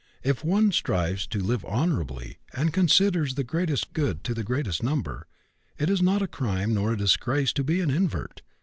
If one strives to live honorably, and considers the greatest good to the greatest number, it is not a crime nor a disgrace to be an invert.